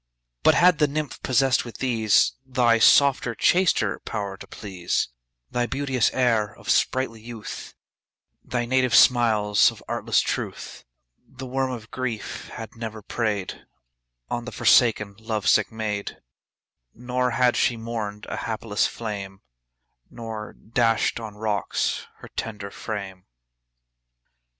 2 But had the nymph possess'd with these Thy softer, chaster power to please, Thy beauteous air of sprightly youth, Thy native smiles of artless truth 3 The worm of grief had never prey'd On the forsaken love sick maid; Nor had she mourn'd a hapless flame, Nor dash'd on rocks her tender frame.